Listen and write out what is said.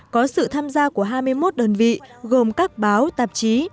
có sự tham gia của hai mươi một đơn vị gồm các báo tạp chí